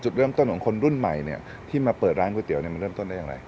จุดเริ่มต้นของคนรุ่นใหม่เนี่ยที่มาเปิดร้านก๋วเตี๋มันเริ่มต้นได้อย่างไร